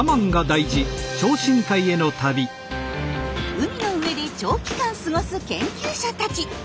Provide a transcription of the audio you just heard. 海の上で長期間過ごす研究者たち。